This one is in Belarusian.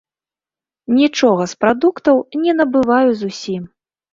Нічога з прадуктаў не набываю зусім.